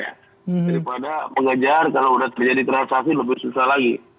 daripada mengejar kalau sudah terjadi transaksi lebih susah lagi